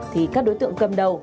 thì các đối tượng cầm đầu